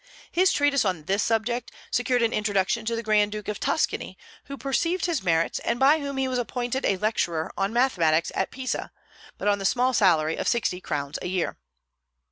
His treatise on this subject secured an introduction to the Grand Duke of Tuscany, who perceived his merits, and by whom he was appointed a lecturer on mathematics at Pisa, but on the small salary of sixty crowns a year.